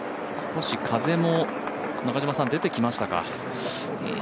少し風も出てきましたか。